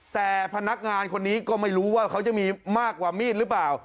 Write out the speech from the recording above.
แต่พนักงานคนนี้ก็ไม่รู้ว่าเขาจะมีมากกว่ามีดหรือเปล่า